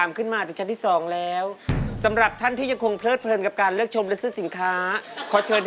ไอ้มันจะหลังเลย